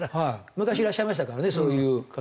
昔いらっしゃいましたからねそういう方。